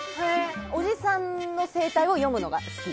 おじさんの生態を読むのが好き？